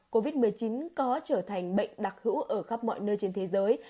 covid một mươi chín có trở thành bệnh đặc hữu ở khắp mọi nơi trên thế giới